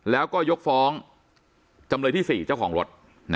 แล้วก็ยกฟ้องจำเลยที่๔เจ้าของรถ